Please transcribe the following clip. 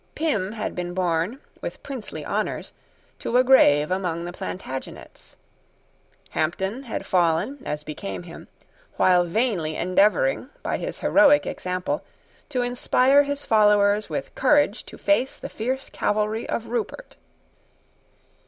Pym had been borne, with princely honours, to a grave among the Plantagenets. Hampden had fallen, as became him, while vainly endeavouring, by his heroic example, to inspire his followers with courage to face the fiery cavalry of Rupert.